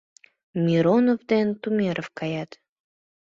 Миронов ден Тумеров каят.